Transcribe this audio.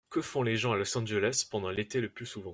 Que font les gens à Los Angeles pendant l’été le plus souvent ?